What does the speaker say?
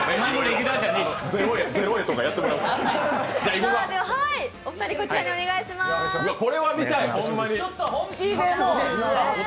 ゼロ重とかやってもらおうか。